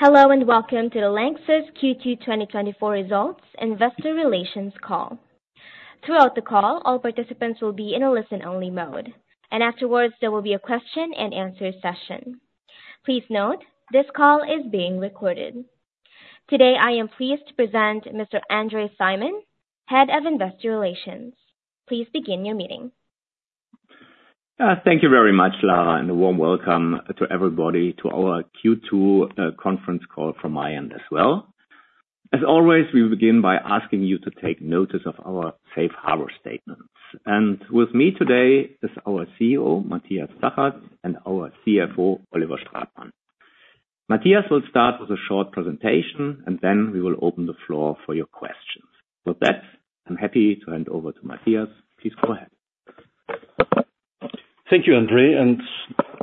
Hello, and welcome to the LANXESS Q2 2024 Results Investor Relations Call. Throughout the call, all participants will be in a listen-only mode, and afterwards, there will be a question-and-answer session. Please note, this call is being recorded. Today, I am pleased to present Mr. André Simon, Head of Investor Relations. Please begin your meeting. Thank you very much, Lara, and a warm welcome to everybody to our Q2 conference call from my end as well. As always, we will begin by asking you to take notice of our safe harbor statements. And with me today is our CEO, Matthias Zachert, and our CFO, Oliver Stratmann. Matthias will start with a short presentation, and then we will open the floor for your questions. With that, I'm happy to hand over to Matthias. Please go ahead. Thank you, André, and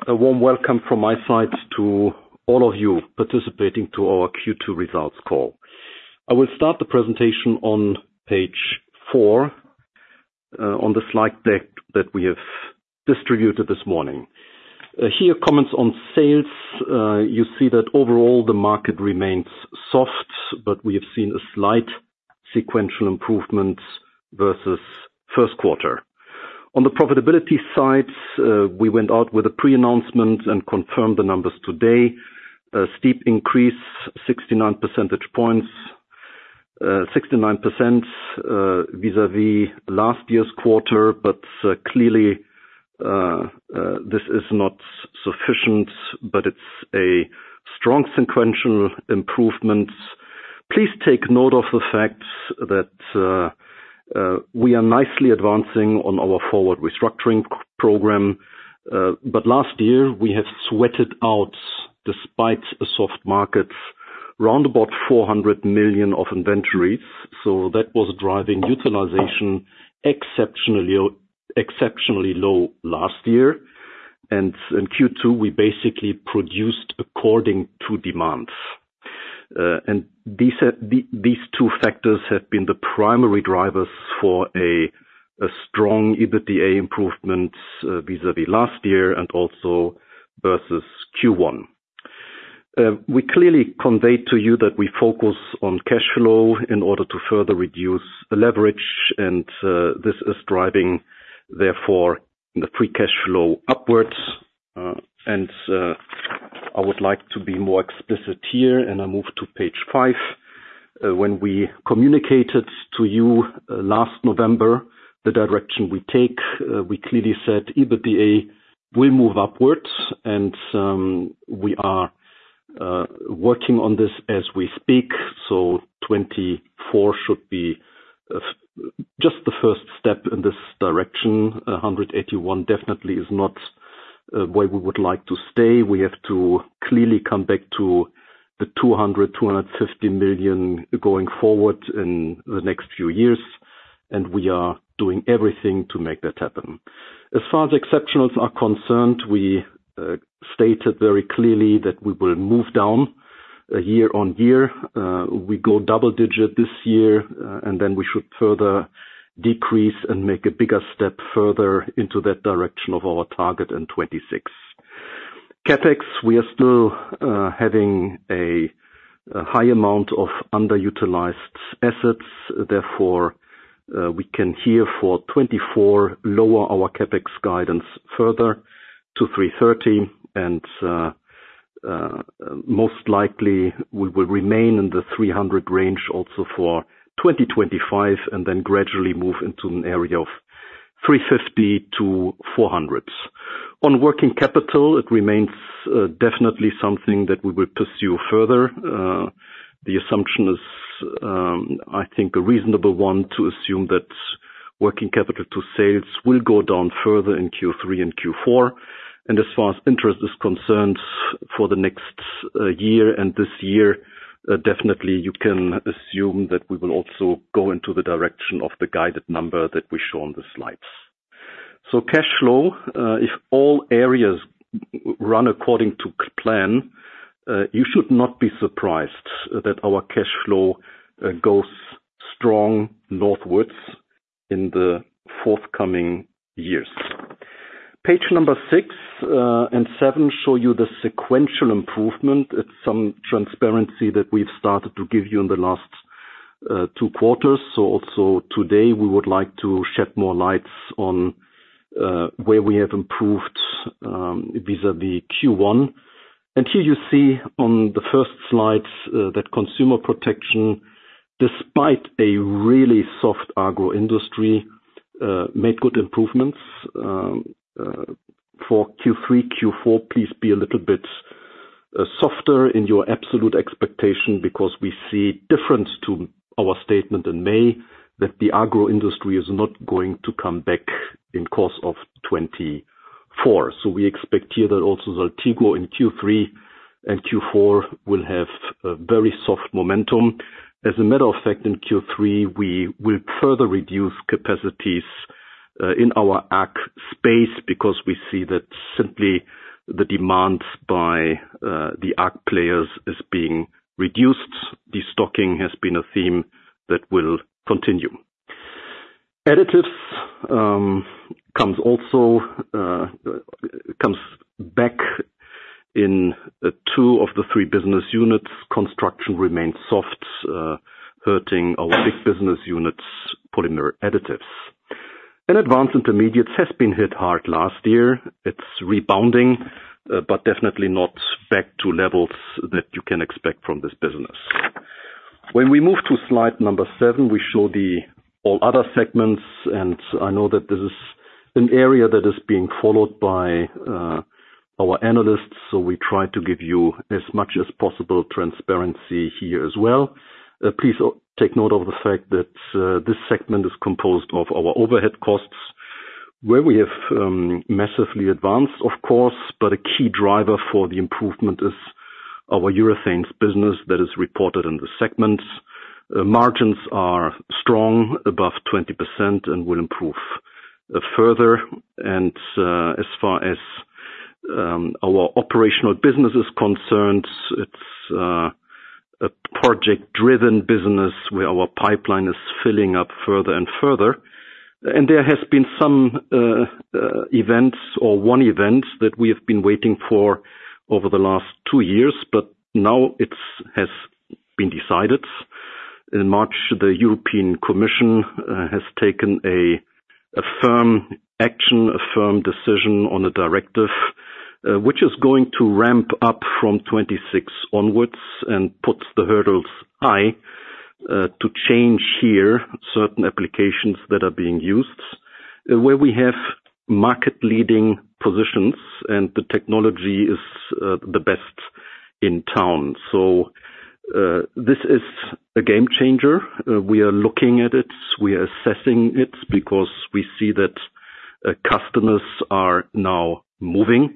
a warm welcome from my side to all of you participating to our Q2 results call. I will start the presentation on page 4, on the slide deck that we have distributed this morning. Here, comments on sales. You see that overall, the market remains soft, but we have seen a slight sequential improvement versus first quarter. On the profitability side, we went out with a pre-announcement and confirmed the numbers today. A steep increase, 69 percentage points, 69% vis-à-vis last year's quarter, but clearly, this is not sufficient, but it's a strong sequential improvement. Please take note of the fact that we are nicely advancing on our Forward Restructuring program, but last year, we had sweated out, despite a soft market, round about 400 million of inventory, so that was driving utilization exceptionally, exceptionally low last year. In Q2, we basically produced according to demand. These two factors have been the primary drivers for a strong EBITDA improvement vis-à-vis last year and also versus Q1. We clearly conveyed to you that we focus on cash flow in order to further reduce the leverage, and this is driving, therefore, the free cash flow upwards. I would like to be more explicit here, and I move to page five. When we communicated to you last November, the direction we take, we clearly said EBITDA will move upwards, and we are working on this as we speak. So 2024 should be just the first step in this direction. 181 million definitely is not where we would like to stay. We have to clearly come back to 200 million-250 million going forward in the next few years, and we are doing everything to make that happen. As far as exceptionals are concerned, we stated very clearly that we will move down year-on-year. We go double digit this year, and then we should further decrease and make a bigger step further into that direction of our target in 2026. CapEx, we are still having a high amount of underutilized assets. Therefore, we can here for 2024, lower our CapEx guidance further to 330 and, most likely we will remain in the 300 range also for 2025, and then gradually move into an area of 350-400. On working capital, it remains, definitely something that we will pursue further. The assumption is, I think, a reasonable one, to assume that working capital to sales will go down further in Q3 and Q4. And as far as interest is concerned, for the next, year and this year, definitely you can assume that we will also go into the direction of the guided number that we show on the slides. So cash flow, if all areas run according to plan, you should not be surprised that our cash flow, goes strong northwards in the forthcoming years. Page number 6 and 7 show you the sequential improvement. It's some transparency that we've started to give you in the last two quarters. So also today, we would like to shed more light on where we have improved vis-à-vis Q1. And here you see on the first slide that Consumer Protection, despite a really soft agro industry, made good improvements. For Q3, Q4, please be a little bit softer in your absolute expectation because we see different to our statement in May, that the agro industry is not going to come back in course of 2024. So we expect here that also Saltigo in Q3 and Q4 will have a very soft momentum. As a matter of fact, in Q3, we will further reduce capacities in our ag space because we see that simply the demand by the ag players is being reduced. Destocking has been a theme that will continue. Additives comes also back in two of the three business units. Construction remains soft, hurting our big business units, Polymer Additives. Advanced Intermediates has been hit hard last year. It's rebounding, but definitely not back to levels that you can expect from this business. When we move to slide number seven, we show the all other segments, and I know that this is an area that is being followed by our analysts, so we try to give you as much as possible transparency here as well. Please take note of the fact that this segment is composed of our overhead costs, where we have massively advanced, of course, but a key driver for the improvement is our Urethanes business that is reported in the segments. Margins are strong, above 20% and will improve further. As far as our operational business is concerned, it's a project-driven business where our pipeline is filling up further and further. There has been some events or one event that we have been waiting for over the last 2 years, but now it has been decided. In March, the European Commission has taken a firm action, a firm decision on a directive, which is going to ramp up from 2026 onwards and puts the hurdles high to change here certain applications that are being used. Where we have market-leading positions and the technology is the best in town. So, this is a game changer. We are looking at it, we are assessing it, because we see that customers are now moving,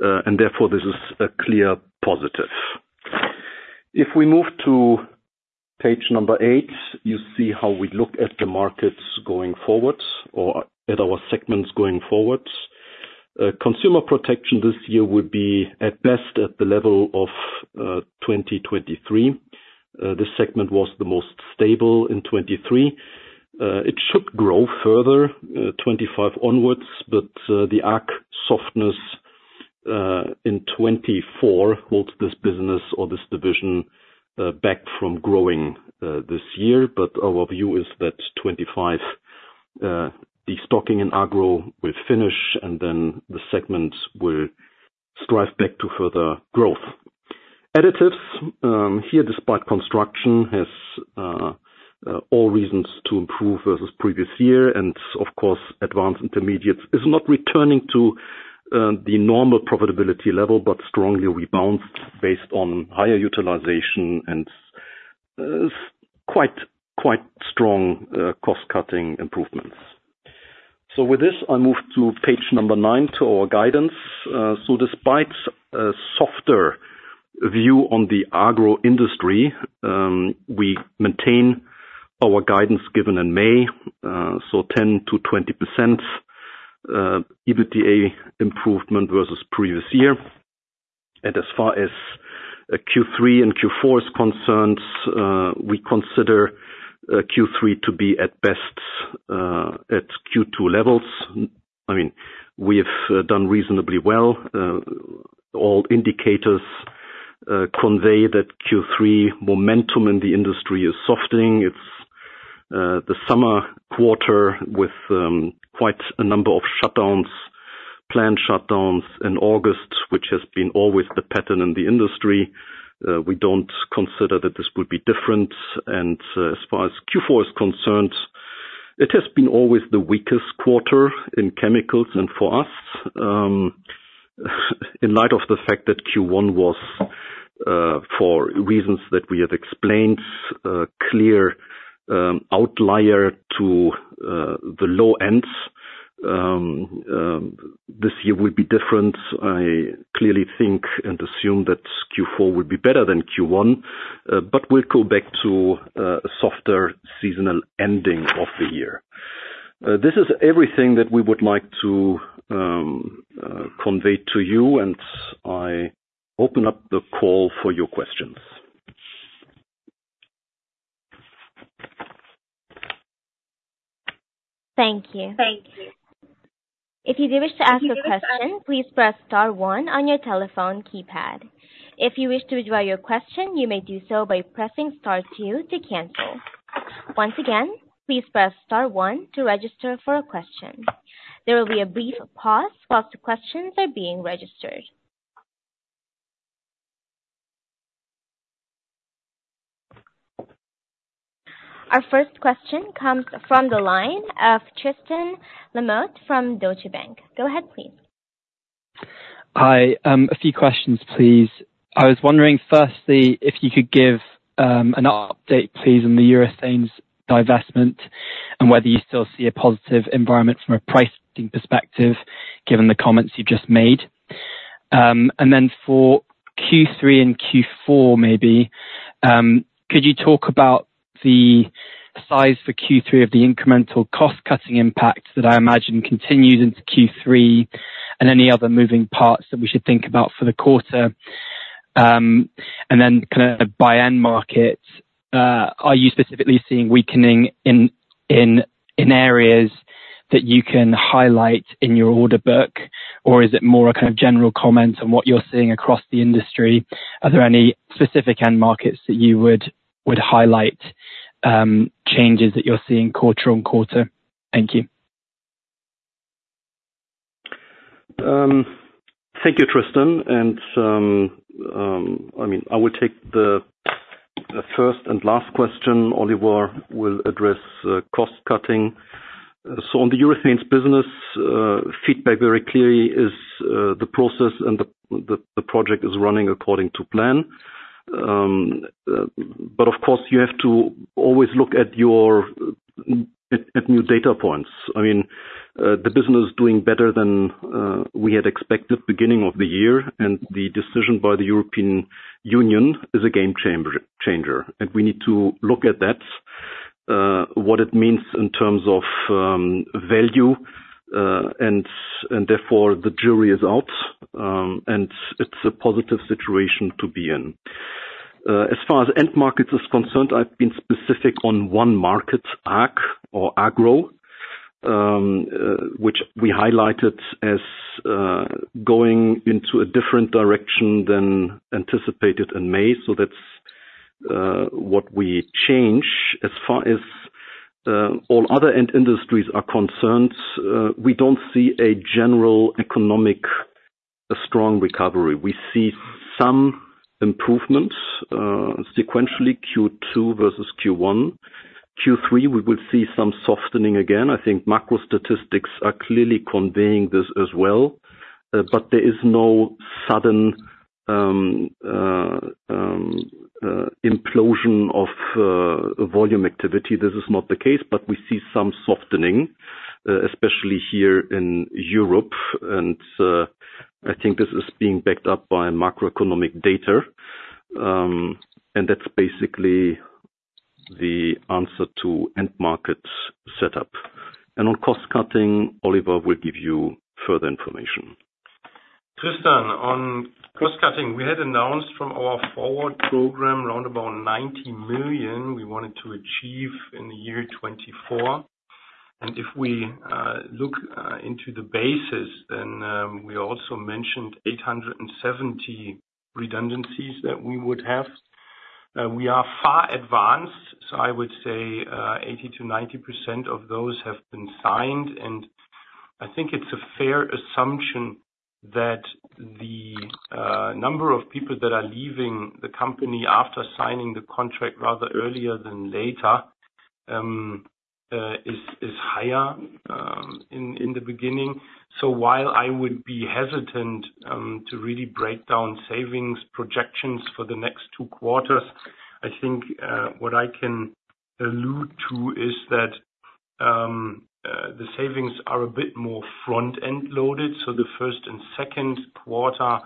and therefore this is a clear positive. If we move to page number 8, you see how we look at the markets going forward or at our segments going forward. Consumer Protection this year will be, at best, at the level of 2023. This segment was the most stable in 2023. It should grow further, 2025 onwards, but the market softness in 2024 holds this business or this division back from growing this year. But our view is that 2025, destocking and agro will finish, and then the segment will thrive back to further growth. Additives, here, despite construction, has all reasons to improve versus previous year, and of course, Advanced Intermediates is not returning to the normal profitability level, but strongly rebound based on higher utilization and quite strong cost-cutting improvements. So with this, I move to page 9, to our guidance. So despite a softer view on the agro industry, we maintain our guidance given in May, so 10%-20% EBITDA improvement versus previous year. As far as Q3 and Q4 is concerned, we consider Q3 to be at best at Q2 levels. I mean, we have done reasonably well. All indicators convey that Q3 momentum in the industry is softening. It's the summer quarter with quite a number of shutdowns, planned shutdowns in August, which has been always the pattern in the industry. We don't consider that this would be different. And as far as Q4 is concerned, it has been always the weakest quarter in chemicals and for us, in light of the fact that Q1 was, for reasons that we have explained, a clear outlier to the low ends. This year will be different. I clearly think and assume that Q4 will be better than Q1, but we'll go back to a softer seasonal ending of the year. This is everything that we would like to convey to you, and I open up the call for your questions. Thank you. If you do wish to ask a question, please press star one on your telephone keypad. If you wish to withdraw your question, you may do so by pressing star two to cancel. Once again, please press star one to register for a question. There will be a brief pause while the questions are being registered. Our first question comes from the line of Tristan Lamotte from Deutsche Bank. Go ahead, please. Hi. A few questions, please. I was wondering, firstly, if you could give an update, please, on the Urethanes divestment and whether you still see a positive environment from a pricing perspective, given the comments you just made. And then for Q3 and Q4 maybe, could you talk about the size for Q3 of the incremental cost-cutting impact that I imagine continued into Q3, and any other moving parts that we should think about for the quarter? And then kind of by end markets, are you specifically seeing weakening in areas that you can highlight in your order book? Or is it more a kind of general comment on what you're seeing across the industry? Are there any specific end markets that you would highlight changes that you're seeing quarter on quarter? Thank you. Thank you, Tristan. And, I mean, I will take the first and last question. Oliver will address cost cutting. So on the Urethanes business, feedback very clearly is the process and the project is running according to plan. But of course, you have to always look at your new data points. I mean, the business is doing better than we had expected beginning of the year, and the decision by the European Union is a game-changer, and we need to look at that what it means in terms of value. And therefore, the jury is out, and it's a positive situation to be in. As far as end markets is concerned, I've been specific on one market, ag or agro, which we highlighted as going into a different direction than anticipated in May. So that's what we change. As far as all other end industries are concerned, we don't see a general economic, a strong recovery. We see some improvements sequentially, Q2 versus Q1. Q3, we will see some softening again. I think macro statistics are clearly conveying this as well, but there is no sudden implosion of volume activity. This is not the case, but we see some softening especially here in Europe, and I think this is being backed up by macroeconomic data. And that's basically the answer to end markets set up. On cost cutting, Oliver will give you further information. Tristan, on cost cutting, we had announced from our Forward program, around about 90 million we wanted to achieve in 2024. And if we look into the business, then we also mentioned 870 redundancies that we would have. We are far advanced, so I would say 80%-90% of those have been signed. And I think it's a fair assumption that the number of people that are leaving the company after signing the contract rather earlier than later is higher in the beginning. So while I would be hesitant to really break down savings projections for the next two quarters, I think what I can allude to is that the savings are a bit more front-end loaded, so the first and second quarter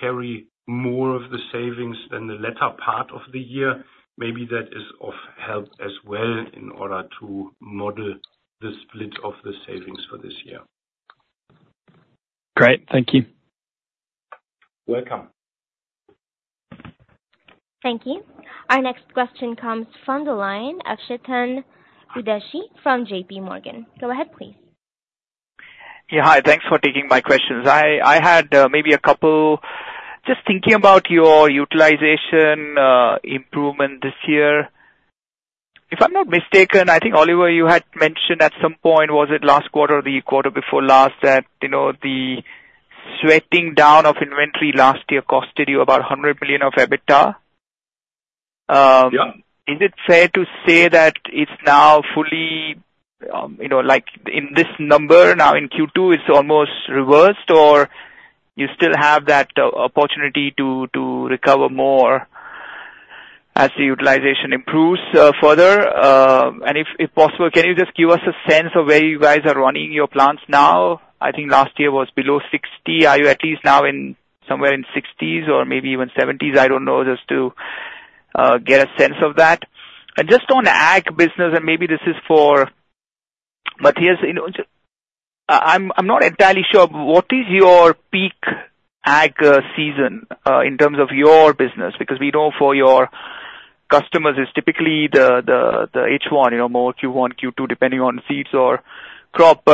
carry more of the savings than the latter part of the year. Maybe that is of help as well in order to model the split of the savings for this year. Great. Thank you. Welcome. Thank you. Our next question comes from the line of Chetan Udeshi from JPMorgan. Go ahead, please. Yeah, hi. Thanks for taking my questions. I had maybe a couple. Just thinking about your utilization improvement this year. If I'm not mistaken, I think, Oliver, you had mentioned at some point, was it last quarter or the quarter before last, that, you know, the sweating down of inventory last year costed you about 100 million of EBITDA? Yeah. Is it fair to say that it's now fully, you know, like in this number, now in Q2, it's almost reversed? Or you still have that opportunity to recover more as the utilization improves further? And if possible, can you just give us a sense of where you guys are running your plants now? I think last year was below 60. Are you at least now in somewhere in 60s or maybe even 70s? I don't know, just to get a sense of that. And just on the ag business, and maybe this is for Matthias, you know, I'm not entirely sure, what is your peak ag season in terms of your business? Because we know for your customers, it's typically the H1, you know, more Q1, Q2, depending on feeds or crop.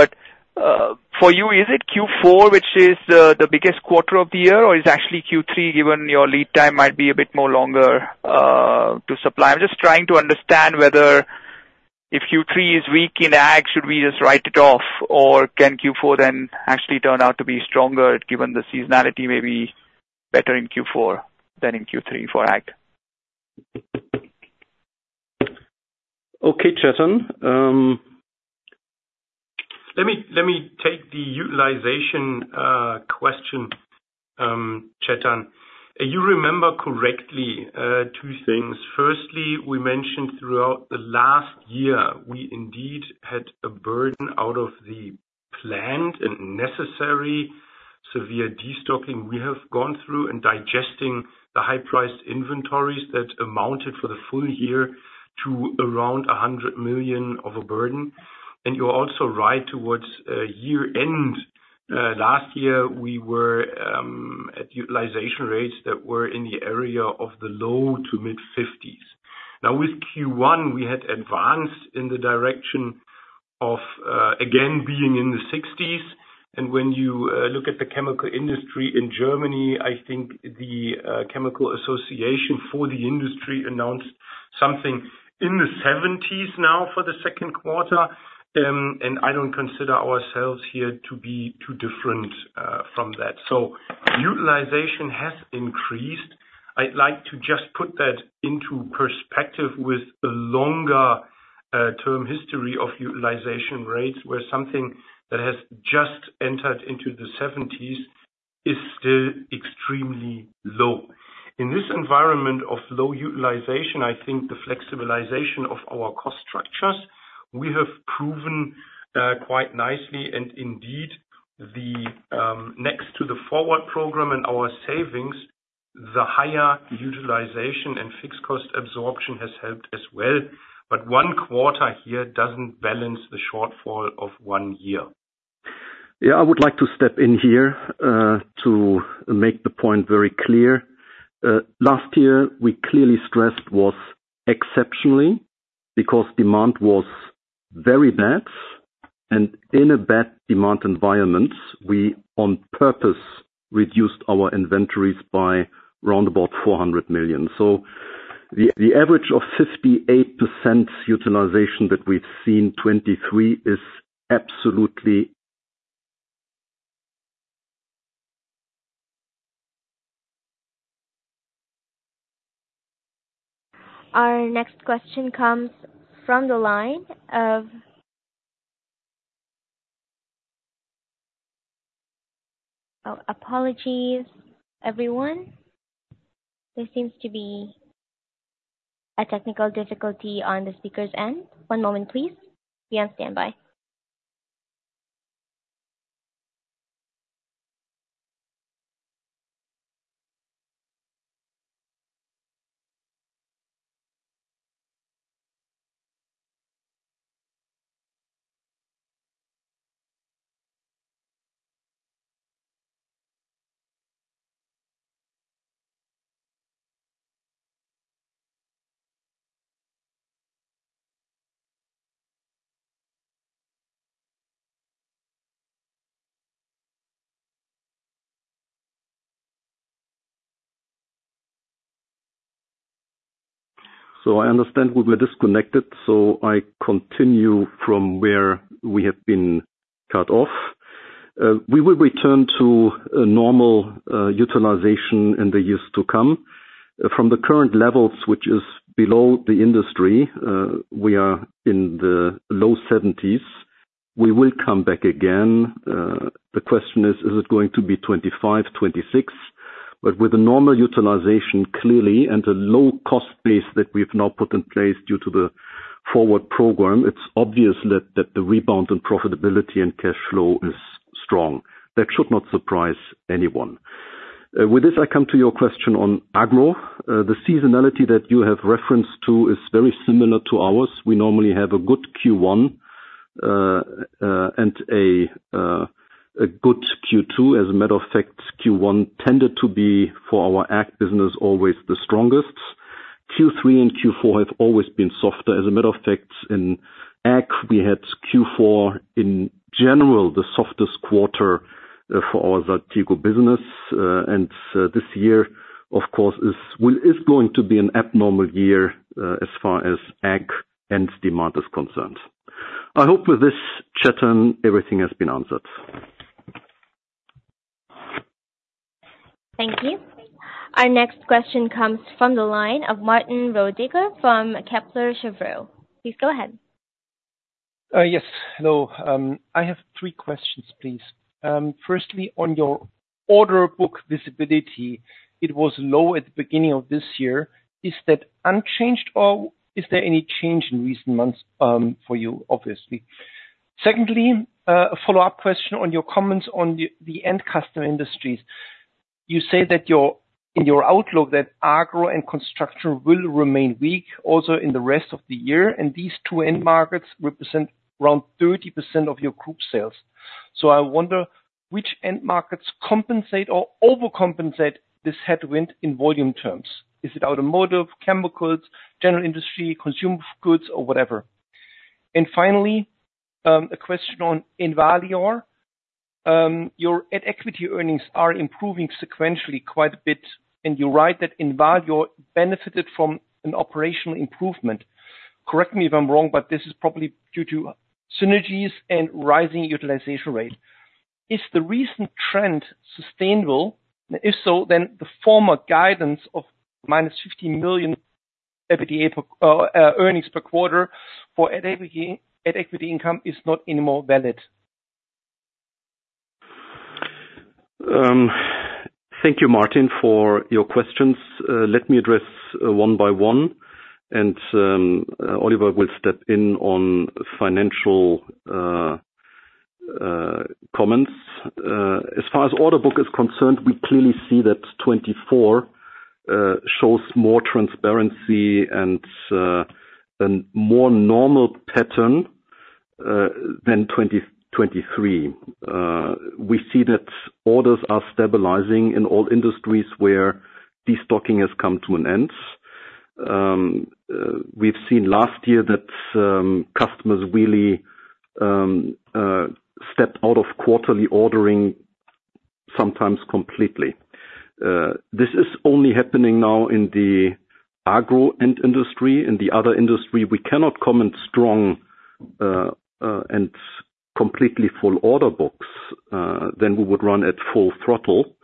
For you, is it Q4, which is the biggest quarter of the year, or is it actually Q3, given your lead time might be a bit more longer to supply? I'm just trying to understand whether if Q3 is weak in ag, should we just write it off, or can Q4 then actually turn out to be stronger, given the seasonality may be better in Q4 than in Q3 for ag? Okay, Chetan. Let me take the utilization question, Chetan. You remember correctly, two things. Firstly, we mentioned throughout the last year, we indeed had a burden out of the planned and necessary severe destocking we have gone through in digesting the high-priced inventories that amounted for the full year to around 100 million of a burden. And you're also right, towards year end last year, we were at utilization rates that were in the area of the low- to mid-50s. Now, with Q1, we had advanced in the direction of again, being in the 60s. And when you look at the chemical industry in Germany, I think the Chemical Association for the industry announced something in the 70s now for the second quarter. And I don't consider ourselves here to be too different from that. So utilization has increased. I'd like to just put that into perspective with the longer term history of utilization rates, where something that has just entered into the seventies is still extremely low. In this environment of low utilization, I think the flexibilization of our cost structures, we have proven quite nicely, and indeed, the next to the Forward program and our savings, the higher utilization and fixed cost absorption has helped as well. But one quarter here doesn't balance the shortfall of one year. Yeah, I would like to step in here to make the point very clear. Last year, we clearly stressed was exceptionally, because demand was very bad, and in a bad demand environment, we on purpose reduced our inventories by around about 400 million. So the average of 58% utilization that we've seen 2023 is absolutely- Our next question comes from the line of... Oh, apologies, everyone. There seems to be a technical difficulty on the speaker's end. One moment, please. Be on standby. So I understand we were disconnected, so I continue from where we have been cut off. We will return to a normal utilization in the years to come. From the current levels, which is below the industry, we are in the low 70s. We will come back again. The question is: Is it going to be 2025, 2026? But with a normal utilization, clearly, and the low cost base that we've now put in place due to the Forward program, it's obvious that, that the rebound in profitability and cash flow is strong. That should not surprise anyone. With this, I come to your question on agro. The seasonality that you have referenced to is very similar to ours. We normally have a good Q1 and a good Q2. As a matter of fact, Q1 tended to be, for our ag business, always the strongest. Q3 and Q4 have always been softer. As a matter of fact, in ag, we had Q4, in general, the softest quarter for our Saltigo business. And this year, of course, is, well, is going to be an abnormal year as far as ag and demand is concerned. I hope with this, Chetan, everything has been answered. Thank you. Our next question comes from the line of Martin Roediger from Kepler Cheuvreux. Please go ahead. Yes, hello. I have three questions, please. Firstly, on your order book visibility, it was low at the beginning of this year. Is that unchanged, or is there any change in recent months, for you, obviously? Secondly, a follow-up question on your comments on the end customer industries. You say that in your outlook, that agro and construction will remain weak, also in the rest of the year, and these two end markets represent around 30% of your group sales. So I wonder which end markets compensate or overcompensate this headwind in volume terms? Is it automotive, chemicals, general industry, consumer goods or whatever? And finally, a question on Envalior. Your at equity earnings are improving sequentially quite a bit, and you're right that Envalior benefited from an operational improvement. Correct me if I'm wrong, but this is probably due to synergies and rising utilization rate. Is the recent trend sustainable? If so, then the former guidance of -50 million EBITDA per earnings per quarter for at equity, at equity income is not anymore valid. Thank you, Martin, for your questions. Let me address one by one, and Oliver will step in on financial comments. As far as order book is concerned, we clearly see that 2024 shows more transparency and more normal pattern than 2023. We see that orders are stabilizing in all industries where destocking has come to an end. We've seen last year that customers really stepped out of quarterly ordering sometimes completely. This is only happening now in the agro end-market. In the other industry, we can now see strong and completely full order books, then we would run at full throttle.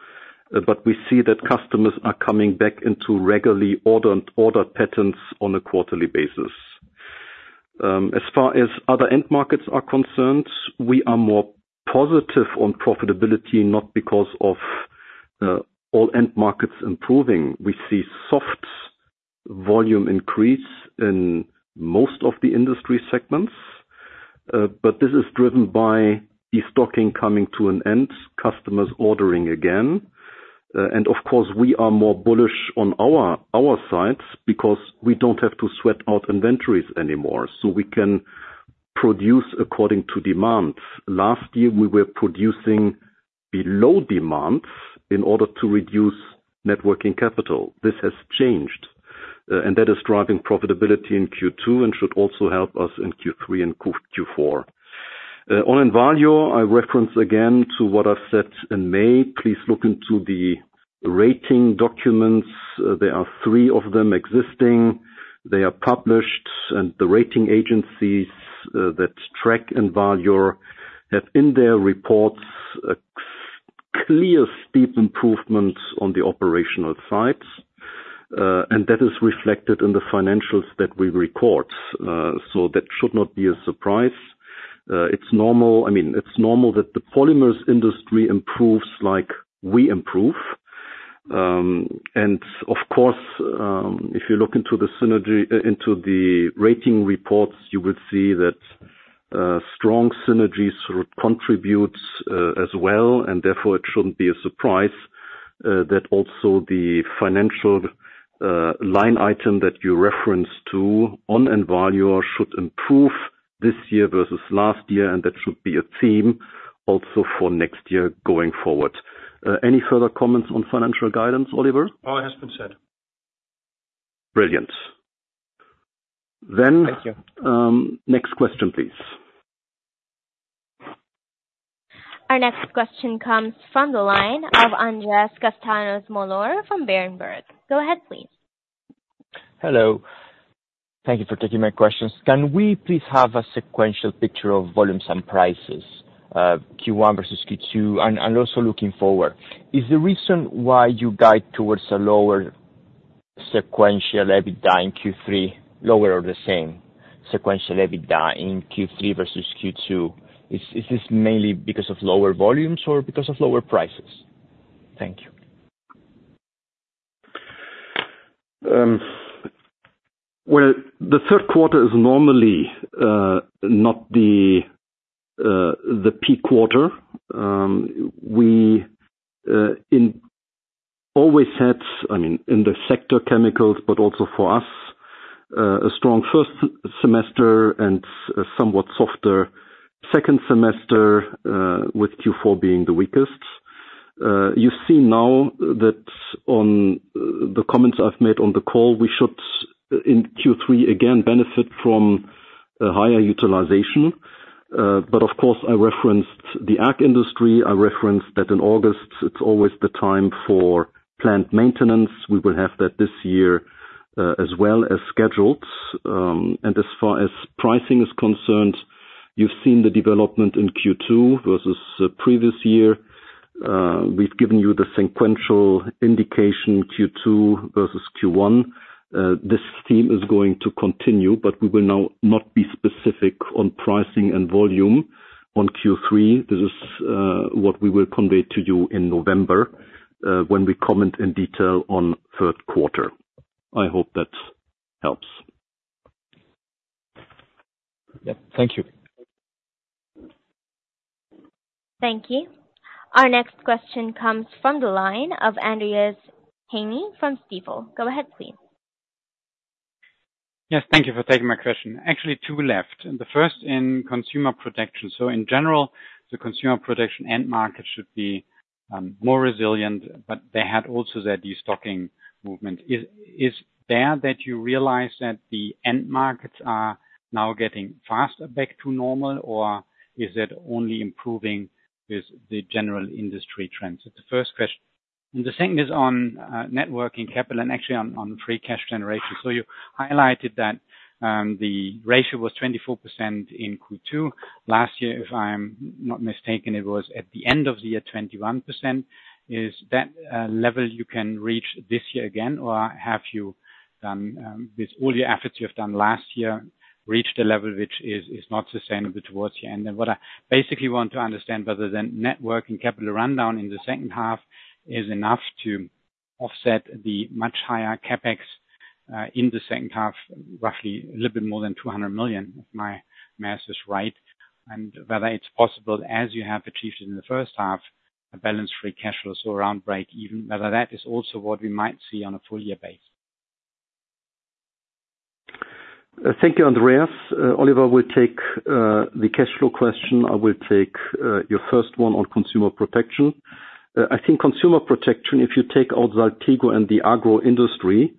But we see that customers are coming back into regularly ordered patterns on a quarterly basis. As far as other end markets are concerned, we are more positive on profitability, not because of all end markets improving. We see soft volume increase in most of the industry segments, but this is driven by destocking coming to an end, customers ordering again. And of course, we are more bullish on our sides because we don't have to sweat out inventories anymore, so we can produce according to demand. Last year, we were producing below demand in order to reduce working capital. This has changed, and that is driving profitability in Q2 and should also help us in Q3 and Q4. On Envalior, I reference again to what I said in May. Please look into the rating documents. There are three of them existing. They are published, and the rating agencies that track Envalior have in their reports a clear, steep improvement on the operational sides. And that is reflected in the financials that we record. So that should not be a surprise. It's normal, I mean, it's normal that the polymers industry improves like we improve. And of course, if you look into the synergies into the rating reports, you will see that strong synergies sort of contributes as well, and therefore, it shouldn't be a surprise that also the financial line item that you referenced to on Envalior should improve this year versus last year, and that should be a theme also for next year going forward. Any further comments on financial guidance, Oliver? All has been said. Brilliant. Thank you. Next question, please. Our next question comes from the line of Andrés Castanos-Mollor from Berenberg. Go ahead, please. Hello. Thank you for taking my questions. Can we please have a sequential picture of volumes and prices, Q1 versus Q2? And also looking forward, is the reason why you guide towards a lower sequential EBITDA in Q3, lower or the same sequential EBITDA in Q3 versus Q2? Is this mainly because of lower volumes or because of lower prices? Thank you. Well, the third quarter is normally not the peak quarter. We always had, I mean, in the sector chemicals, but also for us, a strong first semester and a somewhat softer second semester, with Q4 being the weakest. You see now that on the comments I've made on the call, we should, in Q3, again, benefit from a higher utilization. But of course, I referenced the ag industry. I referenced that in August. It's always the time for plant maintenance. We will have that this year, as well as scheduled. And as far as pricing is concerned, you've seen the development in Q2 versus the previous year. We've given you the sequential indication, Q2 versus Q1. This theme is going to continue, but we will now not be specific on pricing and volume on Q3. This is what we will convey to you in November, when we comment in detail on third quarter. I hope that helps. Yeah. Thank you. Thank you. Our next question comes from the line of Andreas Heine from Stifel. Go ahead, please. Yes, thank you for taking my question. Actually, two left, and the first in Consumer Protection. So in general, the Consumer Protection end market should be more resilient, but they had also that destocking movement. Is there that you realize that the end markets are now getting faster back to normal, or is it only improving with the general industry trends? That's the first question. And the second is on working capital and actually on free cash generation. So you highlighted that the ratio was 24% in Q2. Last year, if I'm not mistaken, it was at the end of the year 21%. Is that level you can reach this year again, or have you done with all the efforts you have done last year reached a level which is not sustainable towards the end? What I basically want to understand is whether the net working capital rundown in the second half is enough to offset the much higher CapEx in the second half, roughly a little bit more than 200 million, if my math is right. And whether it's possible, as you have achieved in the first half, a balanced free cash flow, so around break even, whether that is also what we might see on a full-year basis? Thank you, Andréas. Oliver will take the cash flow question. I will take your first one on Consumer Protection. I think Consumer Protection, if you take out Saltigo and the agro industry,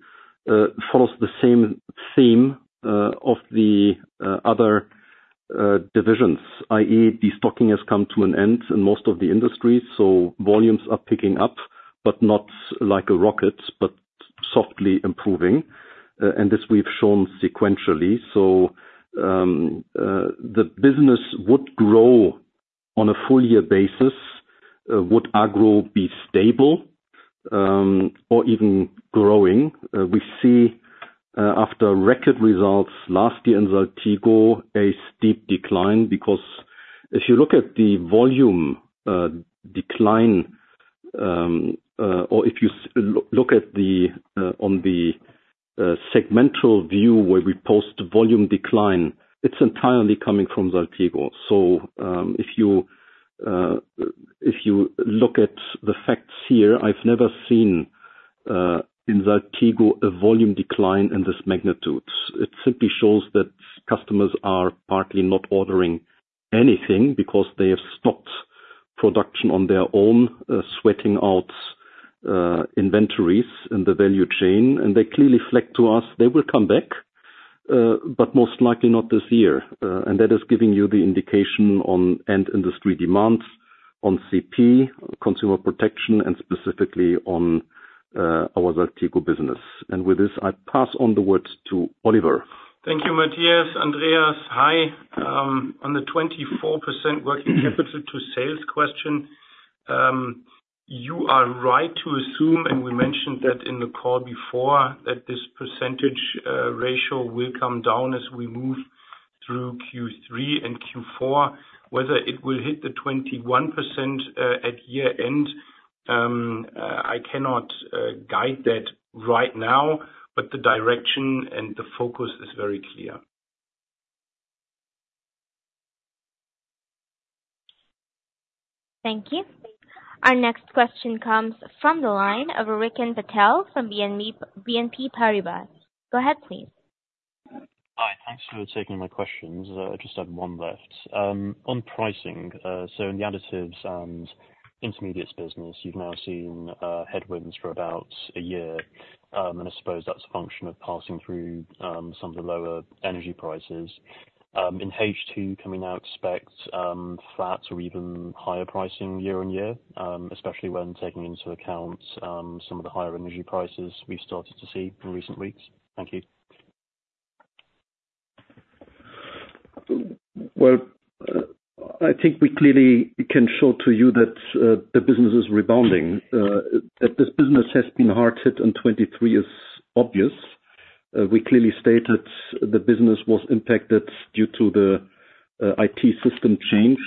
follows the same theme of the other divisions, i.e., destocking has come to an end in most of the industries. So volumes are picking up, but not like a rocket, but softly improving. And this we've shown sequentially. So, the business would grow on a full year basis, would agro be stable, or even growing. We see, after record results last year in Saltigo, a steep decline. Because if you look at the volume decline, or if you look at the on the segmental view where we post volume decline, it's entirely coming from Saltigo. So, if you look at the facts here, I've never seen in Saltigo a volume decline in this magnitudes. It simply shows that customers are partly not ordering anything because they have stopped production on their own, sweating out inventories in the value chain. And they clearly flag to us they will come back, but most likely not this year. And that is giving you the indication on end industry demands on CP, consumer protection, and specifically on our Saltigo business. And with this, I pass on the word to Oliver. Thank you, Matthias. Andréas, hi. On the 24% working capital to sales question, you are right to assume, and we mentioned that in the call before, that this percentage ratio will come down as we move through Q3 and Q4. Whether it will hit the 21%, at year-end, I cannot guide that right now, but the direction and the focus is very clear. Thank you. Our next question comes from the line of Rikin Patel from BNP Paribas. Go ahead, please. Hi, thanks for taking my questions. I just have one left. On pricing, so in the additives and intermediates business, you've now seen headwinds for about a year. I suppose that's a function of passing through some of the lower energy prices. In H2, can we now expect flats or even higher pricing year-on-year, especially when taking into account some of the higher energy prices we've started to see in recent weeks? Thank you. Well, I think we clearly can show to you that the business is rebounding. That this business has been hard hit in 2023 is obvious. We clearly stated the business was impacted due to the IT system change.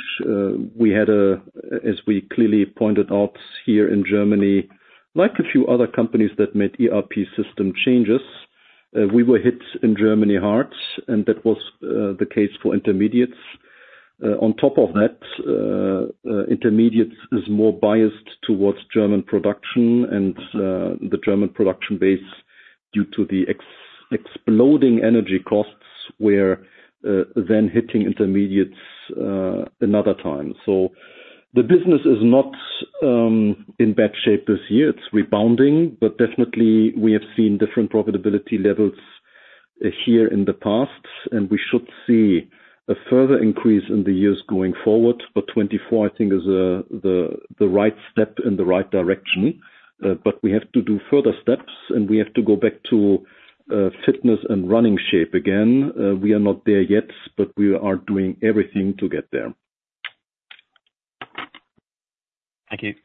We had a, as we clearly pointed out here in Germany, like a few other companies that made ERP system changes, we were hit in Germany hard, and that was the case for intermediates. On top of that, intermediates is more biased towards German production and the German production base, due to the exploding energy costs, were then hitting intermediates another time. So the business is not in bad shape this year. It's rebounding, but definitely we have seen different profitability levels here in the past, and we should see a further increase in the years going forward. But 2024, I think, is the right step in the right direction. But we have to do further steps, and we have to go back to fitness and running shape again. We are not there yet, but we are doing everything to get there. Thank you.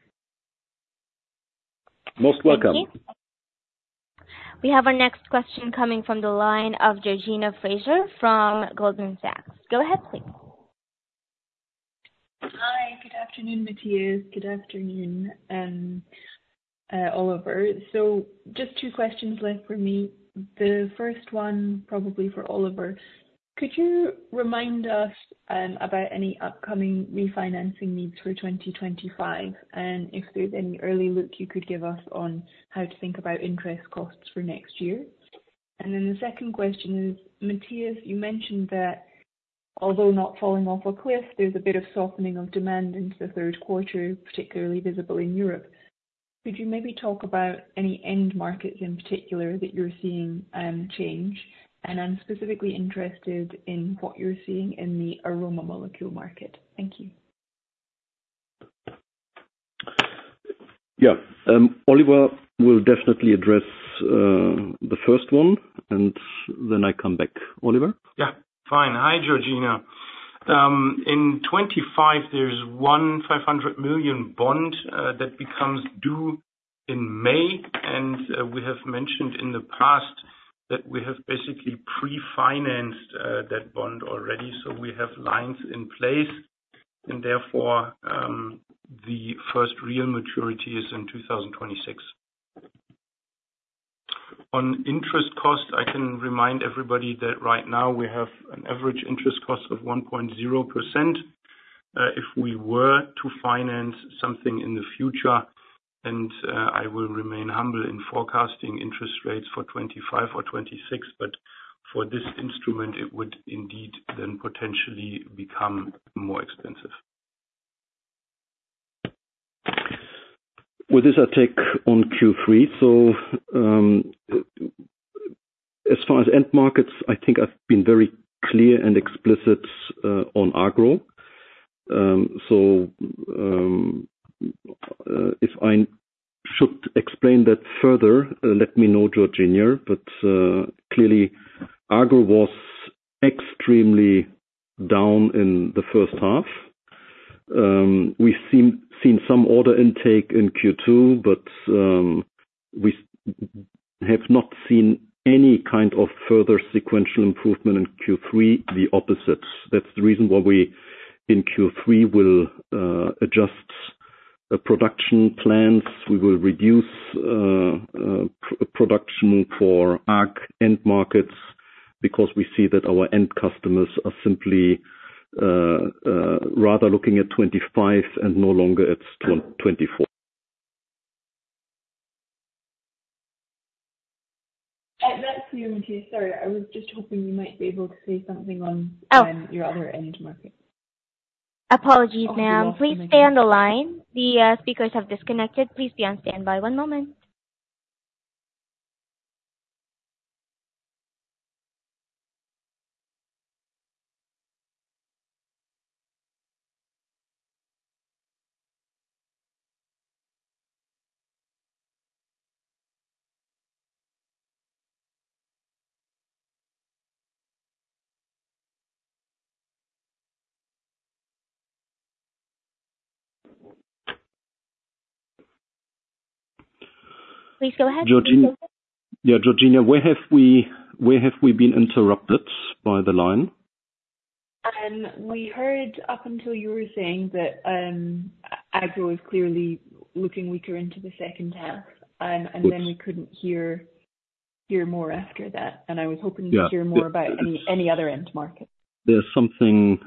Most welcome. Thank you. We have our next question coming from the line of Georgina Fraser from Goldman Sachs. Go ahead, please. Hi, good afternoon, Matthias. Good afternoon, Oliver. So just two questions left for me. The first one, probably for Oliver: Could you remind us about any upcoming refinancing needs for 2025? And if there's any early look you could give us on how to think about interest costs for next year. And then the second question is, Matthias, you mentioned that although not falling off a cliff, there's a bit of softening of demand into the third quarter, particularly visible in Europe. Could you maybe talk about any end markets in particular that you're seeing change? And I'm specifically interested in what you're seeing in the aroma molecule market. Thank you. Yeah. Oliver will definitely address the first one, and then I come back. Oliver? Yeah, fine. Hi, Georgina. In 2025, there's a 150 million bond that becomes due in May, and we have mentioned in the past that we have basically pre-financed that bond already, so we have lines in place, and therefore, the first real maturity is in 2026. On interest cost, I can remind everybody that right now we have an average interest cost of 1.0%. If we were to finance something in the future, and I will remain humble in forecasting interest rates for 2025 or 2026, but for this instrument, it would indeed then potentially become more expensive. With this, I take on Q3. So, as far as end markets, I think I've been very clear and explicit on agro. So, if I should explain that further, let me know, Georgina. But clearly, agro was extremely down in the first half. We've seen some order intake in Q2, but we have not seen any kind of further sequential improvement in Q3, the opposite. That's the reason why we, in Q3, will adjust the production plans. We will reduce production for ag end markets, because we see that our end customers are simply rather looking at 2025 and no longer at 2024. That's new to you. Sorry, I was just hoping you might be able to say something on your other end markets. Apologies, ma'am. Please stay on the line. The speakers have disconnected. Please be on standby one moment. Please go ahead. Yeah, Georgina, where have we been interrupted by the line? We heard up until you were saying that, agro is clearly looking weaker into the second half. And then we couldn't hear more after that, and I was hoping to hear more about any other end market. There's something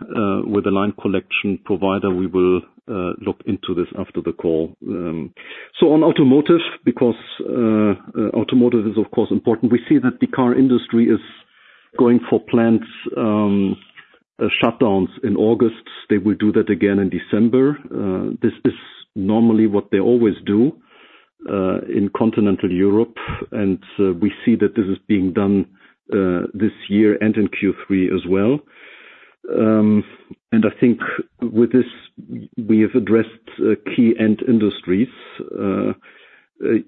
with the line connection provider. We will look into this after the call. So on automotive, because automotive is, of course, important. We see that the car industry is going for planned shutdowns in August. They will do that again in December. This is normally what they always do in continental Europe, and we see that this is being done this year and in Q3 as well. And I think with this, we have addressed key end industries.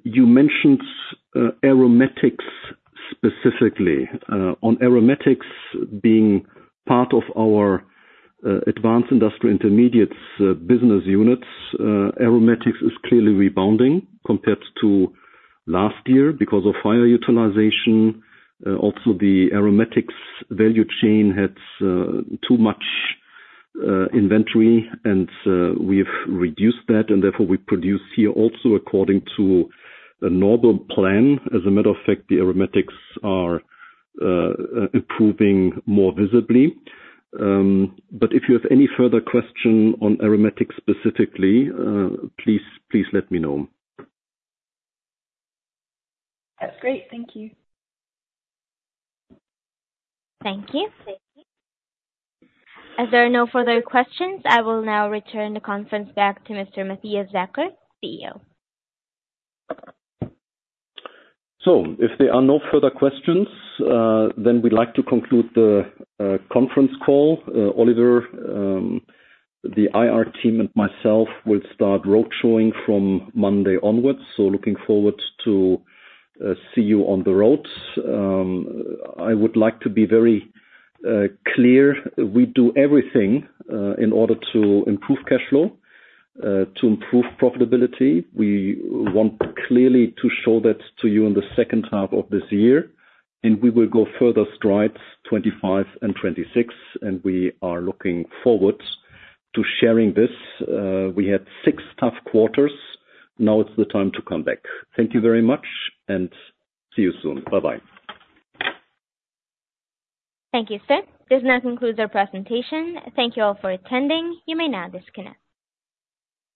You mentioned aromatics specifically. On aromatics being part of our Advanced Industrial Intermediates business units, aromatics is clearly rebounding compared to last year because of higher utilization. Also, the aromatics value chain has too much inventory, and we've reduced that, and therefore, we produce here also according to a normal plan. As a matter of fact, the aromatics are improving more visibly. But if you have any further question on aromatics specifically, please, please let me know. That's great. Thank you. Thank you. As there are no further questions, I will now return the conference back to Mr. Matthias Zachert, CEO. So if there are no further questions, then we'd like to conclude the conference call. Oliver, the IR team and myself will start road showing from Monday onwards, so looking forward to see you on the roads. I would like to be very clear, we do everything in order to improve cash flow, to improve profitability. We want clearly to show that to you in the second half of this year, and we will go further strides 2025 and 2026, and we are looking forward to sharing this. We had six tough quarters. Now it's the time to come back. Thank you very much, and see you soon. Bye-bye. Thank you, sir. This now concludes our presentation. Thank you all for attending. You may now disconnect.